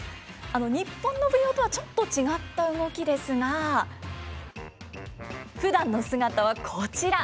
日本の舞踊とはちょっと違った動きですがふだんの姿はこちら。